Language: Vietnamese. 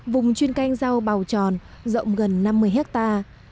vùng chuyên canh rau bào tròn rộng gần năm mươi hectare